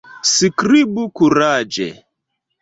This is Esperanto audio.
Skribu kuraĝe!